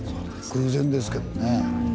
偶然ですけどね。